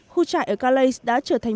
khu trại ở calais đã trở thành